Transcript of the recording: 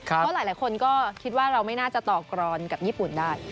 เพราะหลายคนก็คิดว่าเราไม่น่าจะต่อกรอนกับญี่ปุ่นได้